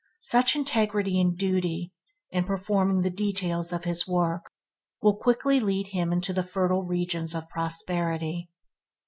Such integrity in duty, in performing the details of his work, will quickly lead him into the fertile regions of prosperity.